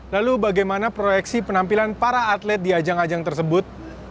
lalu bagaimana proyeksi penampilan para atlet di ajang ajang tersebut